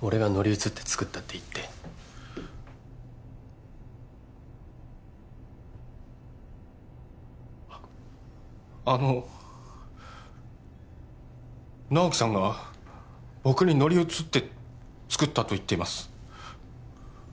俺が乗り移って作ったって言ってあの直木さんが僕に乗り移って作ったと言っています